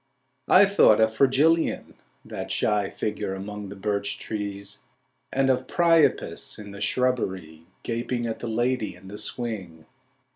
I thought of Fragilion, that shy figure among the birch trees, And of Priapus in the shrubbery Gaping at the lady in the swing.